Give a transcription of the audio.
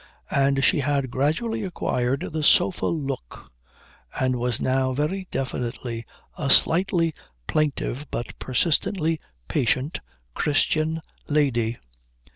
And she had gradually acquired the sofa look, and was now very definitely a slightly plaintive but persistently patient Christian lady.